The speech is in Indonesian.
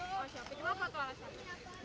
gimana kalau ada satu